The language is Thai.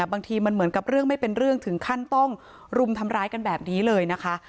บางทีมันเหมือนกับเรื่องไม่เป็นเรื่องถึงขั้นต้องรุมทำร้ายกันแบบนี้เลยนะคะ